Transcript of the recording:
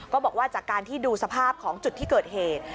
บอกว่าจากการที่ดูสภาพของจุดที่เกิดเหตุ